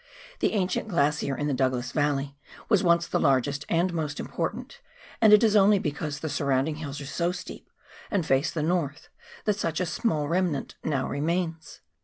The ancient glacier in the Douglas Yalley was once the largest and most important, and it is only because the surrounding hills are so steep, and face the north, that such a small remnant now remains.